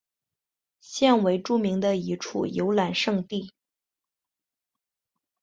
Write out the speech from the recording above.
现为著名的一处游览胜地。